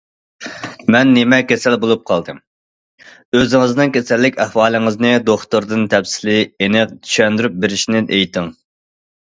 مەن نېمە كېسەل بولۇپ قالدىم؟ ئۆزىڭىزنىڭ كېسەللىك ئەھۋالىڭىزنى دوختۇردىن تەپسىلىي، ئېنىق چۈشەندۈرۈپ بېرىشنى ئېيتىڭ.